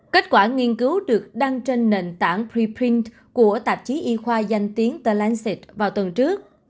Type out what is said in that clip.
kết quả nghiên cứu được đăng trên nền tảng preprint của tạp chí y khoa danh tiếng the lancet vào tuần trước